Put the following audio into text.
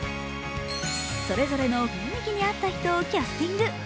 それぞれの雰囲気に合った人をキャスティング。